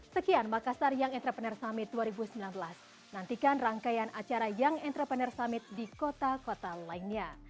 sekian makassar young entrepreneur summit dua ribu sembilan belas nantikan rangkaian acara young entrepreneur summit di kota kota lainnya